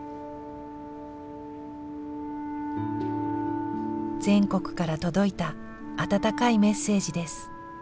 全国から届いた温かいメッセージです。